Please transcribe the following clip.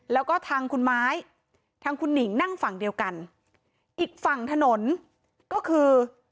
แล้วก็ทางคุณไม้ทางคุณหนิงนั่งฝั่งเดียวกันอีกฝั่งถนนก็คือ